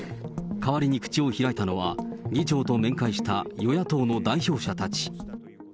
代わりに口を開いたのは、議長と面会した与野党の代表者たち。